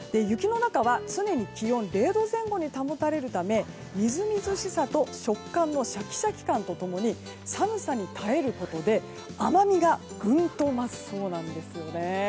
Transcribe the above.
雪の中は常に気温０度前後に保たれるためみずみずしさと食感のシャキシャキ感と共に寒さに耐えることで甘みがぐんと増すそうなんですよね。